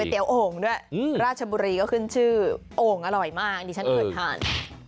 เตี๋โอ่งด้วยราชบุรีก็ขึ้นชื่อโอ่งอร่อยมากดิฉันเคยทาน